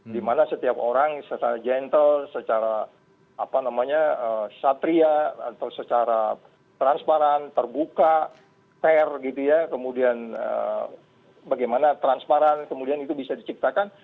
dimana setiap orang secara gentle secara satria atau secara transparan terbuka fair gitu ya kemudian bagaimana transparan kemudian itu bisa diciptakan